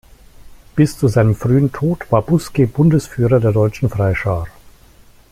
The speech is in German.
Bis zu seinem frühen Tod war Buske Bundesführer der Deutschen Freischar.